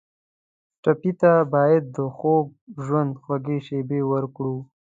ټپي ته باید د خوږ ژوند خوږې شېبې ورکړو.